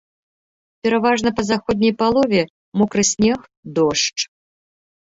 Пераважна па заходняй палове мокры снег, дождж.